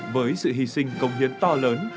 với sự hy sinh công hiến to lớn